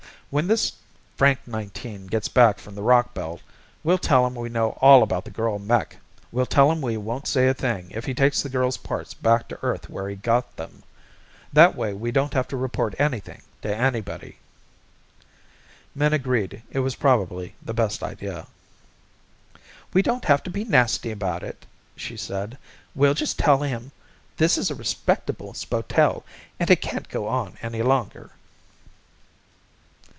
"When this Frank Nineteen gets back from the rock belt, we'll tell him we know all about the girl mech. We'll tell him we won't say a thing if he takes the girl's parts back to Earth where he got them. That way we don't have to report anything to anybody." Min agreed it was probably the best idea. "We don't have to be nasty about it," she said. "We'll just tell him this is a respectable spotel and it can't go on any longer."